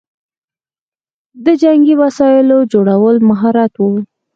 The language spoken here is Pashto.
د جنګي وسایلو جوړول مهارت و